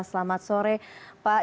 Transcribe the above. selamat sore pak